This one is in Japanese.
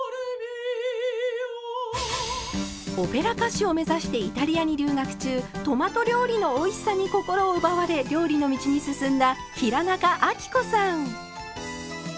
オペラ歌手を目指してイタリアに留学中トマト料理のおいしさに心を奪われ料理の道に進んだ平仲亜貴子さん。